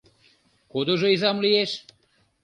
— Кудыжо изам лиеш?